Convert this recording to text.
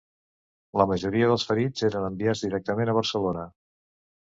La majoria dels ferits eren enviats directament a Barcelona